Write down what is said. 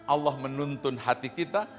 allah menuntun hati kita